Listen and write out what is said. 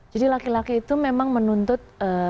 jadi laki laki itu memang menuntut